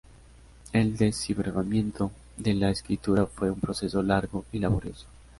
El desciframiento de la escritura fue un proceso largo y laborioso.